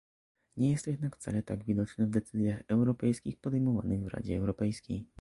Nie jest to jednak wcale tak widoczne w decyzjach europejskich podejmowanych w Radzie Europejskiej